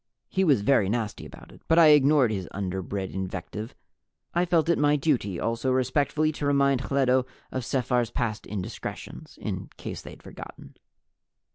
He was very nasty about it, but I ignored his underbred invective. I felt it my duty also respectfully to remind Hledo of Sephar's past indiscretions, in case they'd forgotten.